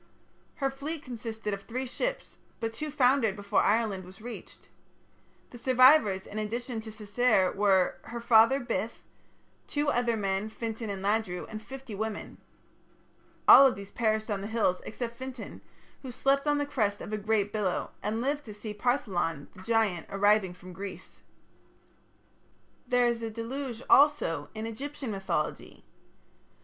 Her fleet consisted of three ships, but two foundered before Ireland was reached. The survivors in addition to Cessair were, her father Bith, two other men, Fintan and Ladru, and fifty women. All of these perished on the hills except Fintan, who slept on the crest of a great billow, and lived to see Partholon, the giant, arriving from Greece. There is a deluge also in Egyptian mythology.